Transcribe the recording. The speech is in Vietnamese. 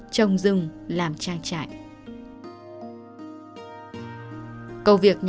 trồng rừng làm trang trại